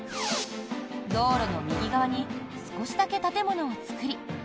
道路の右側に少しだけ建物を作り